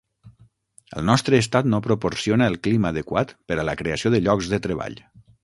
El nostre estat no proporciona el clima adequat per a la creació de llocs de treball.